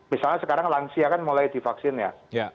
misalnya sekarang lansia kan mulai divaksin ya